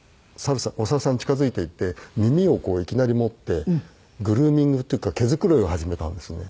お猿さん近づいていって耳をいきなり持ってグルーミングっていうか毛繕いを始めたんですね。